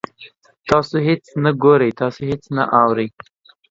تاسو هیڅ نه ګورئ، تاسو هیڅ نه اورئ